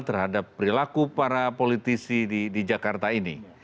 terhadap perilaku para politisi di jakarta ini